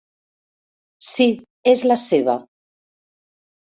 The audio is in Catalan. Sí, és la seva.